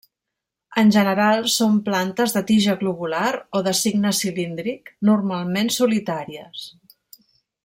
En general, són plantes de tija globular o de signe cilíndric, normalment solitàries.